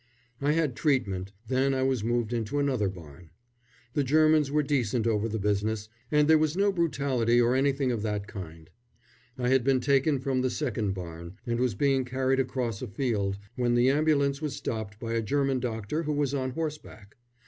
I had treatment, then I was moved into another barn. The Germans were decent over the business, and there was no brutality or anything of that kind. I had been taken from the second barn, and was being carried across a field, when the ambulance was stopped by a German doctor who was on horseback.